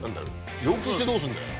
要求してどうすんだよ